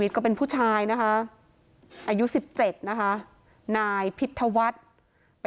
พ่อแม่มาเห็นสภาพศพของลูกร้องไห้กันครับขาดใจ